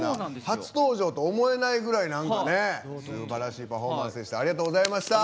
初登場と思えないぐらいすばらしいパフォーマンスでした。